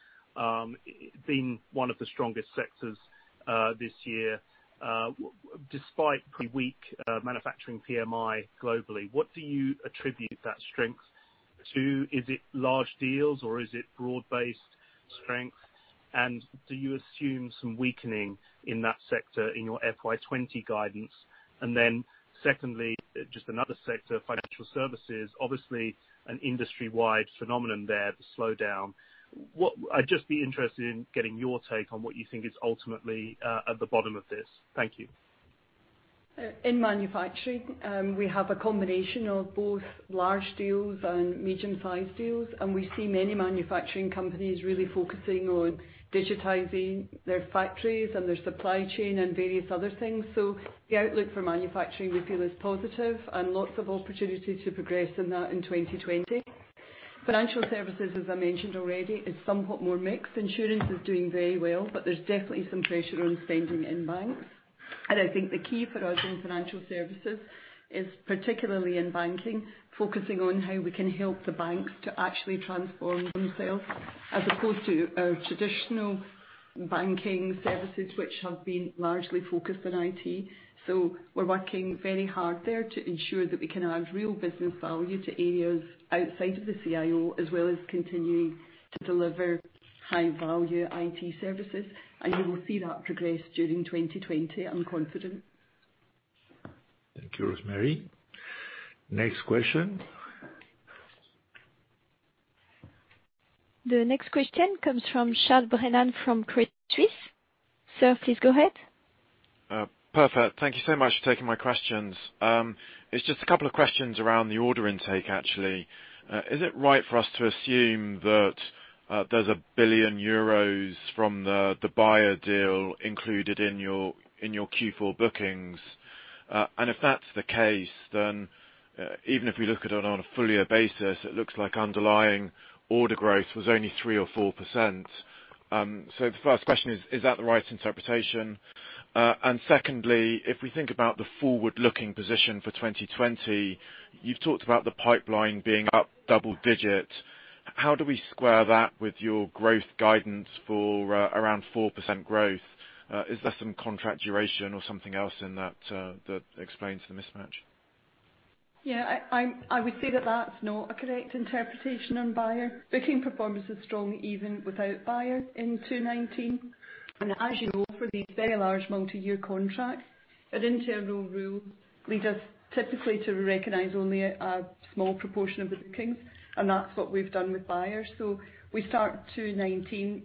D: being one of the strongest sectors this year, despite pretty weak manufacturing PMI globally, what do you attribute that strength to? Is it large deals, or is it broad-based strength? Do you assume some weakening in that sector in your FY 2020 guidance? Secondly, just another sector, financial services, obviously an industry-wide phenomenon there, the slowdown. I'd just be interested in getting your take on what you think is ultimately at the bottom of this. Thank you.
B: In manufacturing, we have a combination of both large deals and medium-sized deals. We see many manufacturing companies really focusing on digitizing their factories and their supply chain and various other things. The outlook for manufacturing, we feel, is positive and there are lots of opportunities to progress in that in 2020. Financial services, as I mentioned already, is somewhat more mixed. Insurance is doing very well, but there's definitely some pressure on spending in banks. I think the key for us in financial services is, particularly in banking, focusing on how we can help the banks to actually transform themselves as opposed to our traditional banking services, which have been largely focused on IT. We are working very hard there to ensure that we can add real business value to areas outside of the CIO, as well as continuing to deliver high-value IT services. We will see that progress during 2020. I'm confident.
A: Thank you, Rosemary. Next question.
D: The next question comes from Charles Brennan from Credit Suisse. Sir, please go ahead.
H: Perfect. Thank you so much for taking my questions. It's just a couple of questions around the order intake, actually. Is it right for us to assume that there's 1 billion euros from the Bayer deal included in your Q4 bookings? If that's the case, then even if we look at it on a full-year basis, it looks like underlying order growth was only 3% or 4%. The first question is, is that the right interpretation? Secondly, if we think about the forward-looking position for 2020, you've talked about the pipeline being up double digit. How do we square that with your growth guidance for around 4% growth? Is there some contract duration or something else in that that explains the mismatch?
B: Yeah. I would say that that's not a correct interpretation on Bayer. Booking performance is strong even without Bayer in 2019. As you know, for these very large multi-year contracts, an internal rule leads us typically to recognize only a small proportion of the bookings. That is what we have done with Bayer. We start 2020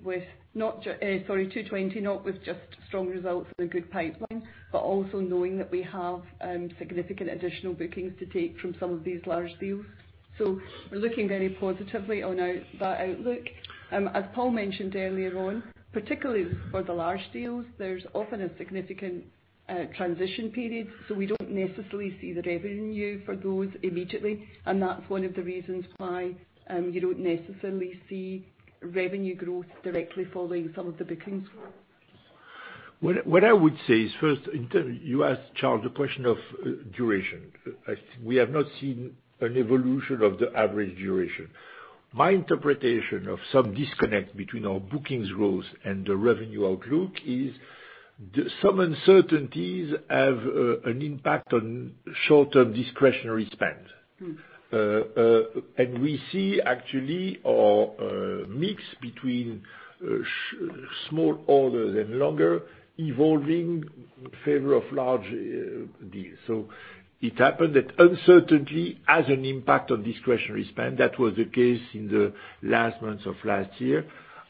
B: not with just strong results and a good pipeline, but also knowing that we have significant additional bookings to take from some of these large deals. We are looking very positively on that outlook. As Paul mentioned earlier on, particularly for the large deals, there is often a significant transition period. We do not necessarily see the revenue for those immediately. That is one of the reasons why you do not necessarily see revenue growth directly following some of the bookings.
A: What I would say is, first, you asked, Charles, the question of duration. We have not seen an evolution of the average duration. My interpretation of some disconnect between our bookings growth and the revenue outlook is some uncertainties have an impact on short-term discretionary spend. We see, actually, our mix between small orders and longer evolving in favor of large deals. It happened that uncertainty has an impact on discretionary spend. That was the case in the last months of last year.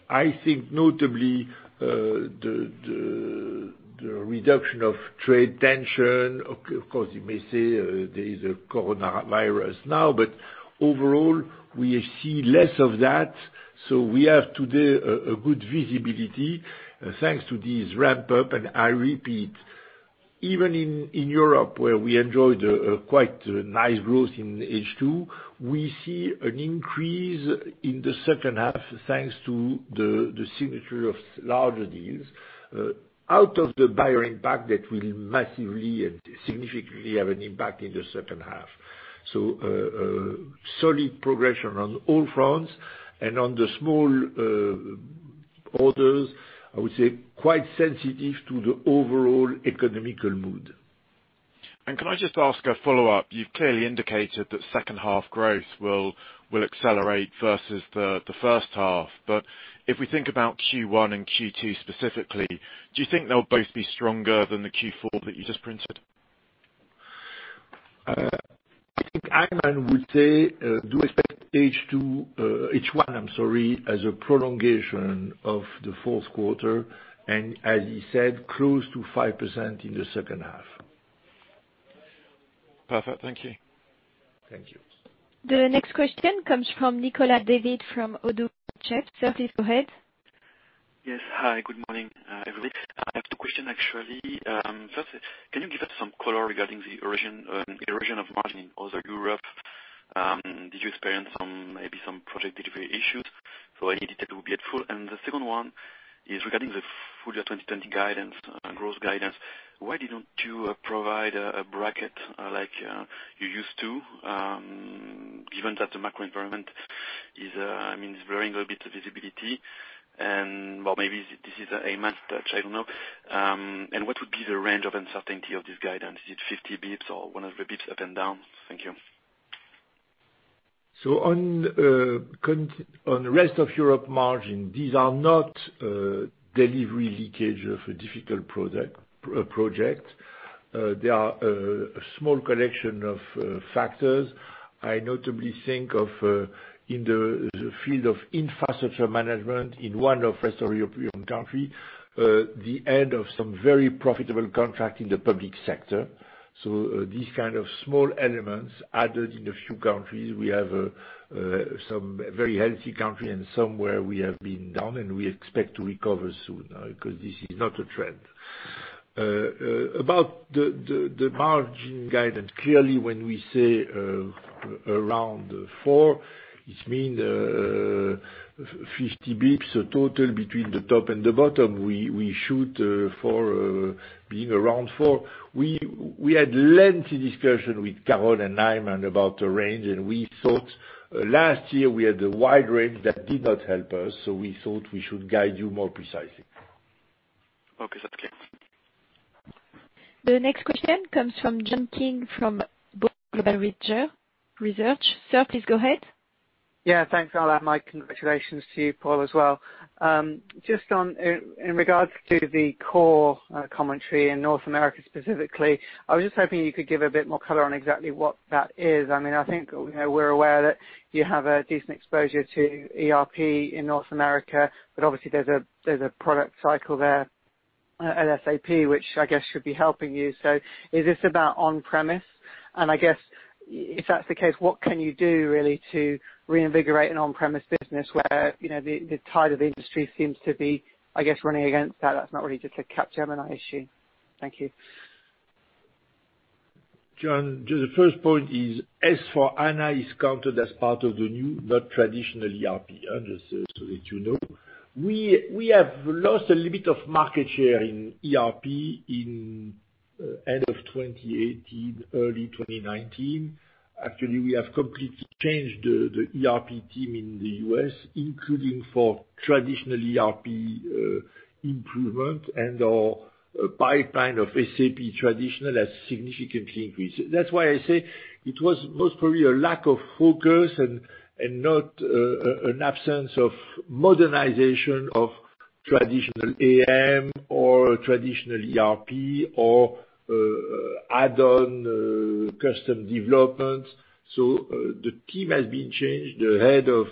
A: I think, notably, the reduction of trade tension. Of course, you may say there is a coronavirus now, but overall, we see less of that. We have today a good visibility thanks to these ramp-up. I repeat, even in Europe, where we enjoyed quite nice growth in H2, we see an increase in the second half thanks to the signature of larger deals out of the Bayer impact that will massively and significantly have an impact in the second half. Solid progression on all fronts. On the small orders, I would say quite sensitive to the overall economical mood.
H: Can I just ask a follow-up? You've clearly indicated that second half growth will accelerate versus the first half. If we think about Q1 and Q2 specifically, do you think they'll both be stronger than the Q4 that you just printed?
A: I think Aiman would say do expect H1 as a prolongation of the fourth quarter. As he said, close to 5% in the second half.
H: Perfect. Thank you.
A: Thank you.
D: The next question comes from Nicola Devid from Odo Chef. Sir, please go ahead. Yes. Hi. Good morning, everybody. I have two questions, actually. First, can you give us some color regarding the erosion of margin in other Europe? Did you experience maybe some project delivery issues? Any detail will be helpful. The second one is regarding the full-year 2020 guidance, gross guidance. Why did you not provide a bracket like you used to, given that the macro environment is, I mean, it's blurring a little bit the visibility? Maybe this is a mass touch. I don't know. What would be the range of uncertainty of this guidance? Is it 50 basis points or 100 basis points up and down? Thank you.
A: On rest of Europe margin, these are not delivery leakage of a difficult project. There are a small collection of factors. I notably think of in the field of infrastructure management in one of rest of European countries, the end of some very profitable contract in the public sector. These kind of small elements added in a few countries. We have some very healthy countries and some where we have been down, and we expect to recover soon because this is not a trend. About the margin guidance, clearly, when we say around 4, it means 50 basis points total between the top and the bottom. We shoot for being around 4. We had lengthy discussion with Carole and Aiman about the range, and we thought last year we had a wide range that did not help us. We thought we should guide you more precisely. Okay. That's clear.
D: The next question comes from John King from Global Research. Sir, please go ahead. Yeah. Thanks, Charles, and my congratulations to you, Paul, as well. Just in regards to the core commentary in North America specifically, I was just hoping you could give a bit more color on exactly what that is. I mean, I think we're aware that you have a decent exposure to ERP in North America, but obviously, there's a product cycle there, LSAP, which I guess should be helping you. Is this about on-premise? I guess if that's the case, what can you do really to reinvigorate an on-premise business where the tide of the industry seems to be, I guess, running against that? That's not really just a Capgemini issue. Thank you.
A: John, the first point is S/4HANA is counted as part of the new, not traditional ERP, so that you know. We have lost a little bit of market share in ERP in the end of 2018, early 2019. Actually, we have completely changed the ERP team in the U.S., including for traditional ERP improvement and our pipeline of SAP traditional has significantly increased. That's why I say it was most probably a lack of focus and not an absence of modernization of traditional AM or traditional ERP or add-on custom development. The team has been changed. The head of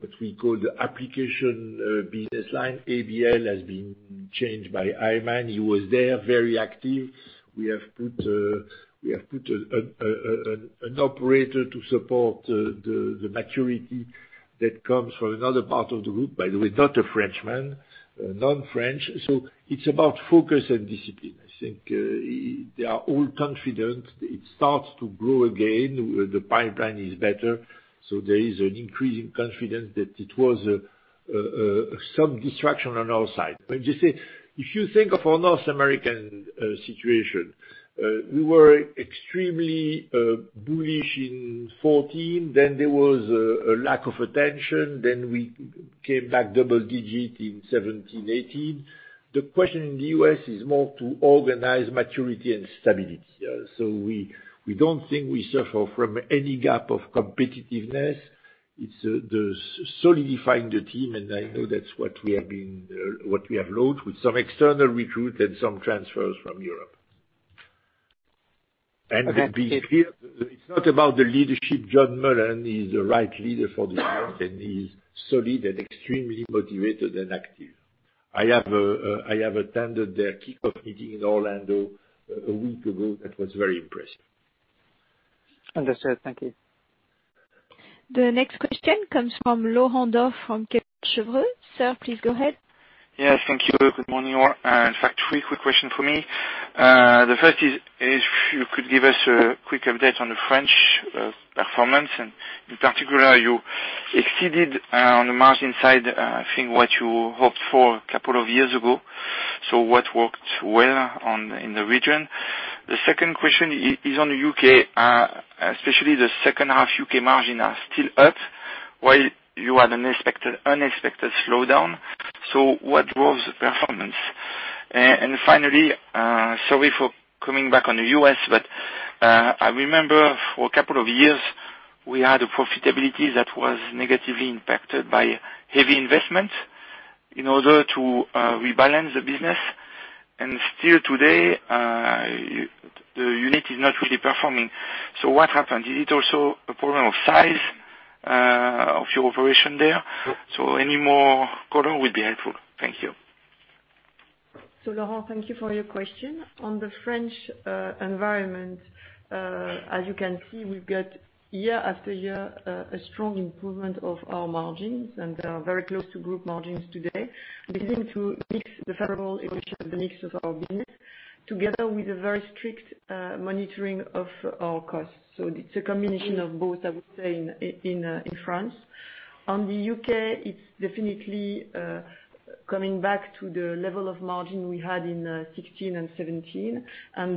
A: what we call the application business line, ABL, has been changed by Aiman. He was there, very active. We have put an operator to support the maturity that comes from another part of the group, by the way, not a Frenchman, non-French. It is about focus and discipline. I think they are all confident. It starts to grow again. The pipeline is better. There is an increasing confidence that it was some distraction on our side. If you think of our North American situation, we were extremely bullish in 2014. There was a lack of attention. We came back double digit in 2017, 2018. The question in the U.S. is more to organize maturity and stability. We do not think we suffer from any gap of competitiveness. It is solidifying the team, and I know that is what we have been, what we have loaded with some external recruits and some transfers from Europe. It is not about the leadership. John Mullen is the right leader for the U.S., and he is solid and extremely motivated and active. I have attended their kickoff meeting in Orlando a week ago. That was very impressive. Understood. Thank you. The next question comes from Laurent Dov from Chevreux. Sir, please go ahead. Yes. Thank you. Good morning, Aurore. In fact, three quick questions for me. The first is if you could give us a quick update on the French performance. In particular, you exceeded on the margin side, I think, what you hoped for a couple of years ago. What worked well in the region? The second question is on the U.K., especially the second half U.K. margin are still up while you had an unexpected slowdown. What draws the performance? Finally, sorry for coming back on the U.S., but I remember for a couple of years, we had a profitability that was negatively impacted by heavy investment in order to rebalance the business. Still today, the unit is not really performing. What happened? Is it also a problem of size of your operation there? Any more color would be helpful. Thank you. Laurent, thank you for your question.
C: On the French environment, as you can see, we've got year after year a strong improvement of our margins, and they're very close to group margins today, leading to the federal equation of the mix of our business together with a very strict monitoring of our costs. It is a combination of both, I would say, in France. On the U.K., it is definitely coming back to the level of margin we had in 2016 and 2017.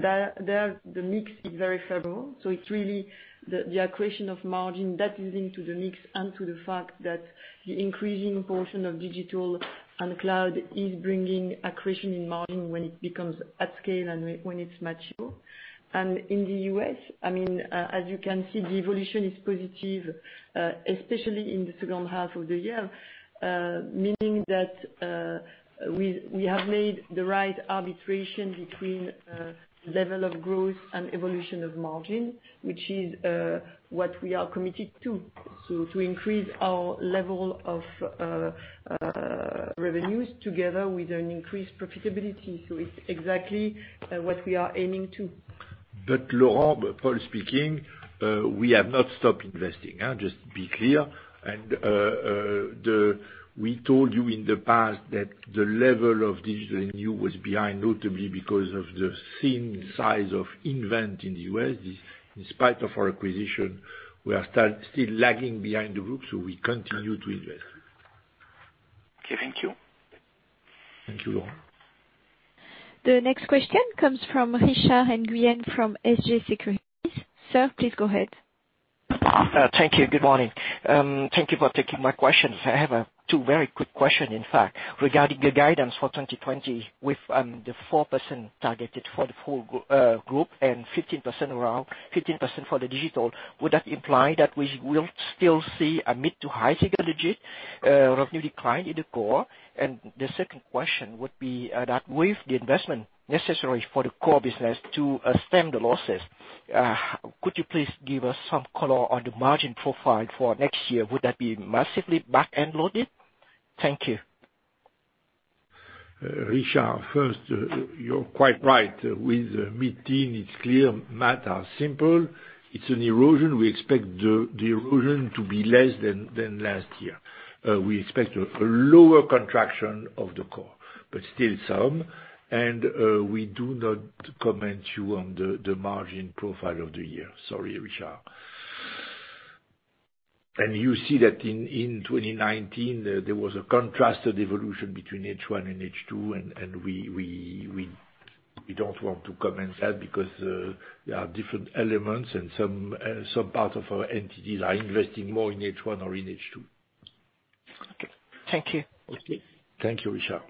C: There, the mix is very federal. It is really the accretion of margin that is linked to the mix and to the fact that the increasing portion of digital and cloud is bringing accretion in margin when it becomes at scale and when it is mature. In the U.S., I mean, as you can see, the evolution is positive, especially in the second half of the year, meaning that we have made the right arbitration between the level of growth and evolution of margin, which is what we are committed to, to increase our level of revenues together with an increased profitability. It is exactly what we are aiming to.
A: Laurent, Paul speaking, we have not stopped investing, just to be clear. We told you in the past that the level of digital in you was behind, notably because of the thin size of Invent in the U.S. In spite of our acquisition, we are still lagging behind the group. We continue to invest. Thank you. Thank you, Laurent.
D: The next question comes from Richard Nguyen from SG Securities. Sir, please go ahead.
I: Thank you. Good morning. Thank you for taking my questions. I have two very quick questions, in fact, regarding the guidance for 2020 with the 4% targeted for the full group and 15% for the digital. Would that imply that we will still see a mid to high-significant digit revenue decline in the core? The second question would be that with the investment necessary for the core business to stem the losses, could you please give us some color on the margin profile for next year? Would that be massively back-end loaded? Thank you.
A: Richard, first, you're quite right. With mid-teen, it's clear matter simple. It's an erosion we expect the erosion to be less than last year. We expect a lower contraction of the core, but still some. We do not comment to you on the margin profile of the year. Sorry, Richard. You see that in 2019, there was a contrasted evolution between H1 and H2, and we do not want to comment on that because there are different elements and some parts of our entities are investing more in H1 or in H2. Okay.
I: Thank you. Okay.
A: Thank you, Richard.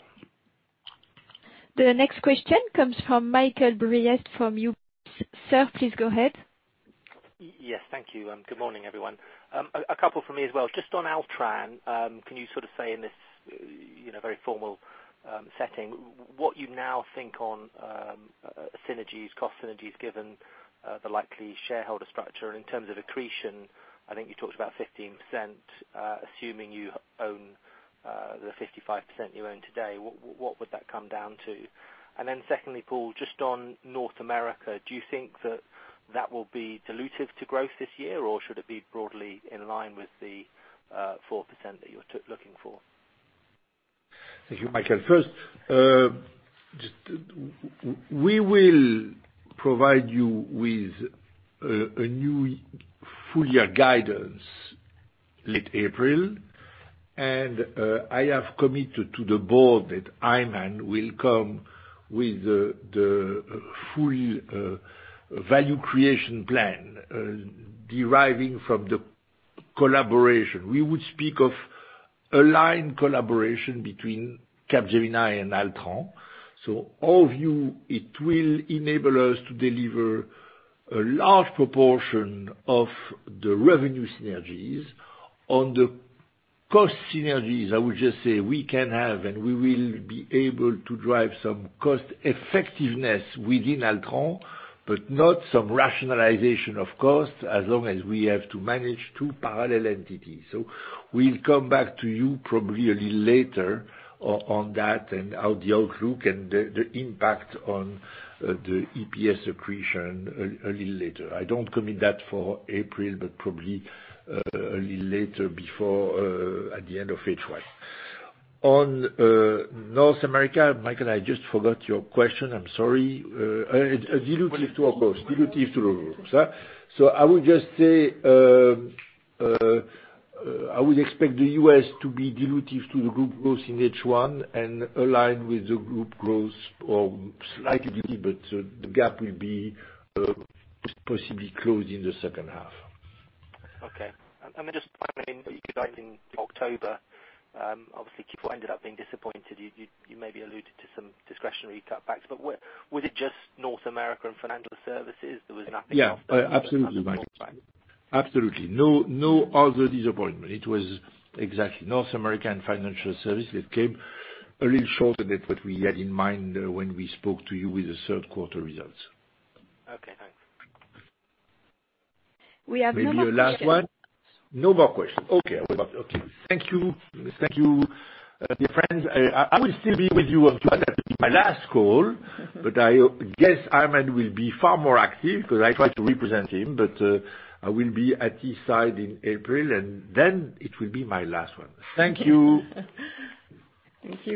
D: The next question comes from Michael Briest from UBS. Sir, please go ahead.
J: Yes. Thank you. Good morning, everyone. A couple for me as well. Just on Altran, can you sort of say in this very formal setting what you now think on synergies, cost synergies, given the likely shareholder structure? And in terms of accretion, I think you talked about 15%, assuming you own the 55% you own today. What would that come down to? Secondly, Paul, just on North America, do you think that that will be dilutive to growth this year, or should it be broadly in line with the 4% that you're looking for?
A: Thank you, Michael. First, we will provide you with a new full-year guidance late April. I have committed to the board that Aiman will come with the full value creation plan deriving from the collaboration. We would speak of aligned collaboration between Capgemini and Altran. For all of you, it will enable us to deliver a large proportion of the revenue synergies. On the cost synergies, I would just say we can have and we will be able to drive some cost effectiveness within Altran, but not some rationalization of cost as long as we have to manage two parallel entities. We'll come back to you probably a little later on that and how the outlook and the impact on the EPS accretion a little later. I don't commit that for April, but probably a little later before the end of H1. On North America, Michael, I just forgot your question. I'm sorry. Dilutive to our growth. Dilutive to the growth. I would just say I would expect the U.S. to be dilutive to the group growth in H1 and align with the group growth or slightly dilute, but the gap will be possibly closed in the second half.
J: Okay. I mean, just finally, you could argue in October, obviously, people ended up being disappointed. You maybe alluded to some discretionary cutbacks, but was it just North America and financial services? There was an up and down phase in North America. Yeah.
A: Absolutely. No other disappointment. It was exactly North America and financial services that came a little shorter than what we had in mind when we spoke to you with the third quarter results.
J: Okay. Thanks.
D: We have no more questions.
A: The last one. No more questions. Okay. Thank you. Thank you, dear friends. I will still be with you until my last call, but I guess Aiman will be far more active because I try to represent him, but I will be at his side in April, and then it will be my last one. Thank you. Thank you.